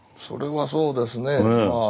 それはそうですね。